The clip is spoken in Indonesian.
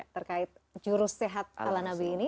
terkait jurus sehat ala nabi ini